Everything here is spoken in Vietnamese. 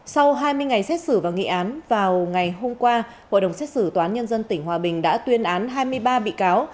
sau hai mươi ngày xét xử và nghị án vào ngày hôm qua hội đồng xét xử tòa án nhân dân tỉnh hòa bình đã tuyên án hai mươi ba bị cáo